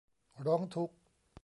ร้องทุกข์